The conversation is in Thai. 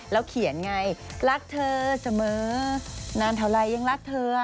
เขียนไงรักเธอเสมอนานเท่าไรยังรักเธอ